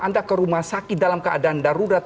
anda ke rumah sakit dalam keadaan darurat